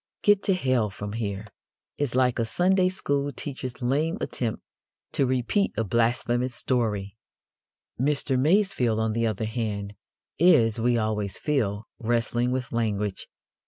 Get to hell from here!" is like a Sunday school teacher's lame attempt to repeat a blasphemous story. Mr. Masefield, on the other hand, is, we always feel, wrestling with language.